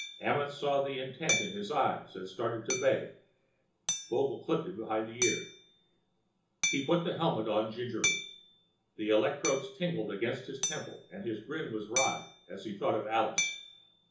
Amenth saw the intent in his eyes and started to beg. Vogel clipped him behind the ear. He put the helmet on, gingerly. The electrodes tingled against his temple and his grin was wry as he thought of Alice.